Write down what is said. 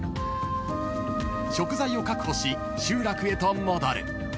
［食材を確保し集落へと戻る］